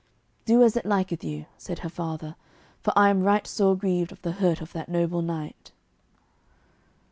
"Do as it liketh you," said her father, "for I am right sore grieved of the hurt of that noble knight."